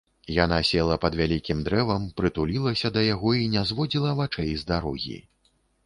Яна села пад вялікім дрэвам, прытулілася да яго і не зводзіла вачэй з дарогі.